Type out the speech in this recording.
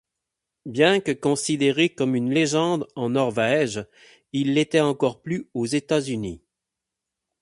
Bien que considéré comme une légende en Norvège, il l'était encore plus aux États-Unis.